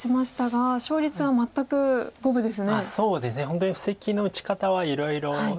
本当に布石の打ち方はいろいろで。